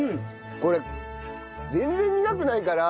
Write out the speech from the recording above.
これ全然苦くないから。